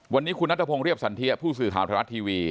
วันนี้คุณนัทพงศ์เรียบสันเทียผู้สื่อข่าวไทยรัฐทีวี